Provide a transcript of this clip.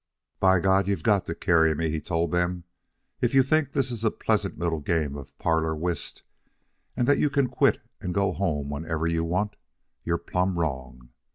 "By God, you've got to carry me!" he told them. "If you think this is a pleasant little game of parlor whist and that you can quit and go home whenever you want, you're plumb wrong.